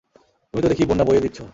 তুমি তো দেখি বন্যা বইয়ে দিচ্ছো।